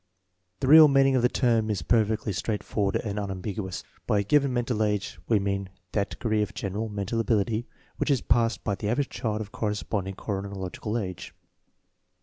The real meaning of the term is perfectly straight forward and unambiguous. By a given mental age we mean that degree of general mental ability which is possessed by the average child of corresponding chrono logical age.